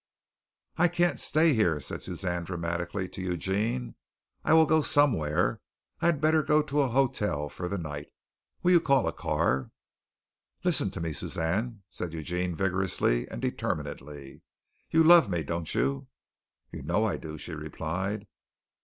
"I can't stay here," said Suzanne dramatically to Eugene. "I will go somewhere. I had better go to a hotel for the night. Will you call a car?" "Listen to me, Suzanne," said Eugene vigorously and determinedly. "You love me, don't you?" "You know I do," she replied.